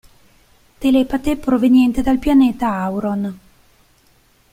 Telepate proveniente dal pianeta Auron.